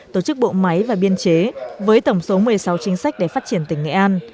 tổ chức bộ máy và biên chế với tổng số một mươi sáu chính sách để phát triển tỉnh nghệ an